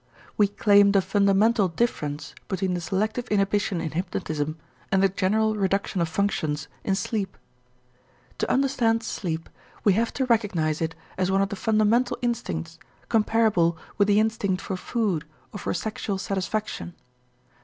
We claimed a fundamental difference between the selective inhibition in hypnotism and the general reduction of functions in sleep. To understand sleep, we have to recognize it as one of the fundamental instincts, comparable with the instinct for food or for sexual satisfaction.